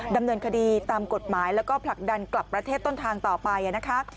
ดำเนินคดีตามกฎหมายแล้วก็ผลักดันกลับประเทศต้นทางต่อไปนะคะ